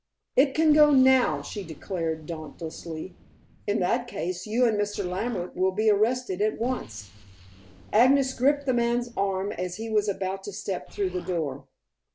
"It can go now," she declared dauntlessly. "In that case you and Mr. Lambert will be arrested at once." Agnes gripped the man's arm as he was about to step through the door.